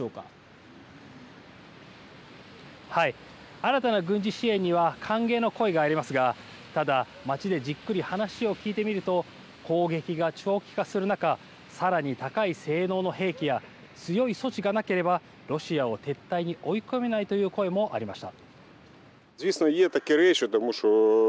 新たな軍事支援には歓迎の声がありますが、ただ街でじっくり話を聞いてみると攻撃が長期化する中さらに高い性能の兵器や強い措置がなければロシアを撤退に追い込めないという声もありました。